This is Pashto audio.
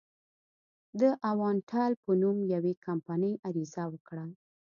د اوانټل په نوم یوې کمپنۍ عریضه وکړه.